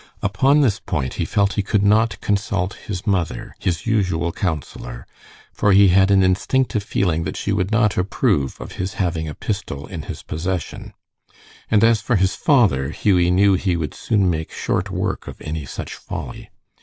Upon this point he felt he could not consult his mother, his usual counselor, for he had an instinctive feeling that she would not approve of his having a pistol in his possession; and as for his father, Hughie knew he would soon make "short work of any such folly."